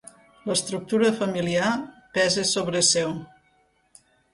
L'estructura familiar pesa sobre seu.